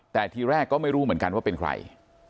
แต่ทีแรกก็ไม่รู้เหมือนกันว่าเป็นใคร